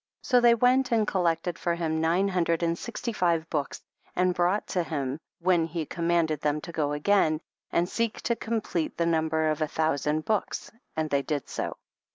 So they went and collected for him nine hundred and sixty five books and brought to him, when he commanded them to go again and seek to complete the number of a thousand books, and they did so.